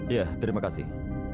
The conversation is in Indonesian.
ya terima kasih